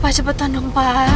pak cepetan dong pak